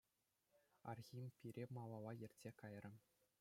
Архим пире малалла ертсе кайрӗ.